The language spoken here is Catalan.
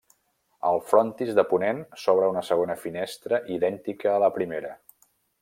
Al frontis de ponent s'obre una segona finestra idèntica a la primera.